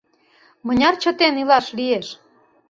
Мыняр чытен илаш лиеш?